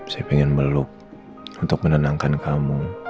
saya ingin meluk untuk menenangkan kamu